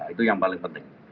itu yang paling penting